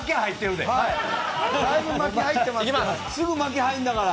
だいぶ巻き入ってますけど。